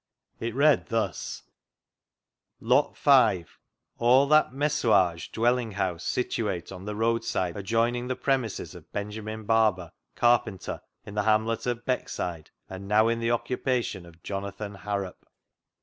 It ran thus — "Lot v.— All that MESSUAGE dwelling house situate on the roadside adjoining the premises of Benjamin Barber, carpenter, in the hamlet of Beckside, and now in the occupation ef Jonathan Harrop."